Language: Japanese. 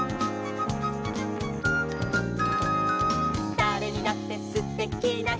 「だれにだってすてきなひ」